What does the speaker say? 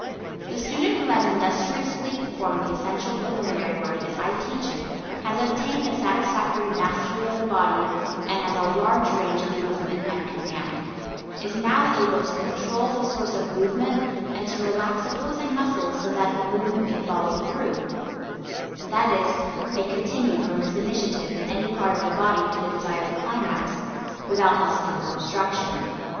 The student who has industriously performed the essential preliminary work as I teach it has obtained a satisfactory mastery of the body, and has a large range of movement at command; is now able to control the source of movement and to relax opposing muscles so that the movement may follow through; that is, may continue from its initiative in any part of the body to the desired climax, without muscular obstruction.